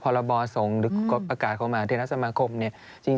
พรบสงฆ์หรือประกาศของมหาเทรสมาคมเนี่ย